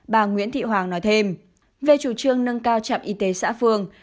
bà nguyễn thị hoàng nói thêm về chủ trương nâng cao trạm y tế xã phương